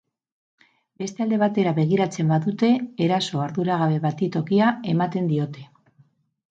Beste alde batera begiratzen badute eraso arduragabe bati tokia ematen diote.